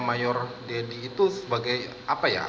mayor deddy itu sebagai apa ya